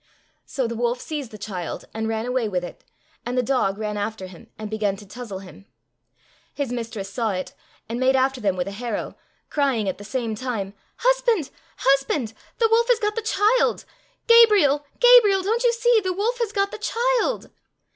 So the wolf seized the child, and ran away with it, and the dog ran after him, and began to touzle him. His mistress saw it, and made after them with a harrow, crying at the same time, " Husband, husband ! the wolf has got the child ! Gabriel, Gabriel ! don't you see ? The wolf has got the child